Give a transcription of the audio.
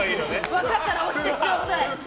分かったら押してちょうだい！